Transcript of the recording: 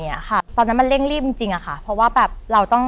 เนี้ยค่ะตอนนั้นมันเร่งรีบจริงจริงอะค่ะเพราะว่าแบบเราต้อง